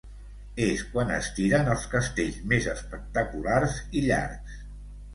És quan es tiren els castells més espectaculars i llargs.